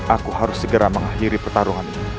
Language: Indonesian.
aku harus segera mengakhiri pertarungan ini